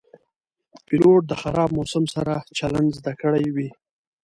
پیلوټ د خراب موسم سره چلند زده کړی وي.